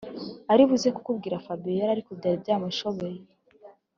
aribuze kubwira fabiora ariko byari byamushobeye.